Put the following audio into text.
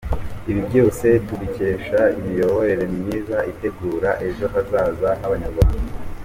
Ibi byose tubikesha imiyoborere myiza itegura ejo hazaza h’Abanyarwanda.